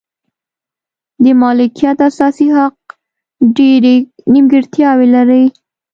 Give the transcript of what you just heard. د مالکیت اساسي حق ډېرې نیمګړتیاوې لري.